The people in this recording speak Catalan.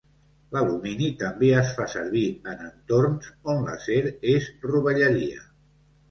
L'alumini també es fa servir en entorns on l'acer es rovellaria.